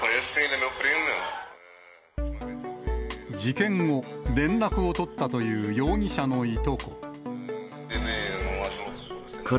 事件後、連絡を取ったという容疑者のいとこ。